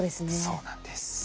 そうなんです。